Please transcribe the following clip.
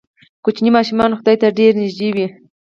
کوچني ماشومان خدای ته ډېر نږدې وي.